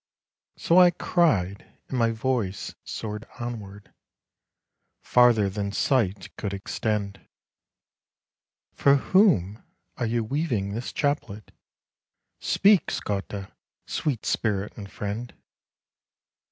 So I cried and my voice soared onward Farther than sight could extend "For whom are you weaving this chaplet? Speak, Scotta! sweet spirit and friend."